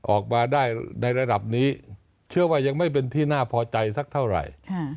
ออกมาได้ในระดับนี้เชื่อว่ายังไม่เป็นที่น่าพอใจสักเท่าไหร่